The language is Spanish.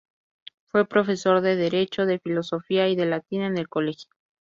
Fue profesor de derecho, de filosofía y de latín en el Colegio.